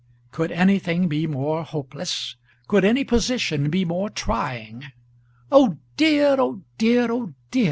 Could anything be more hopeless? Could any position be more trying? "Oh dear, oh dear, oh dear!"